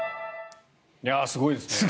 すごいですね。